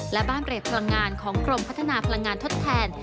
และบ้านเรทพลังงานของกรมพัฒนาพลังงานทดแทน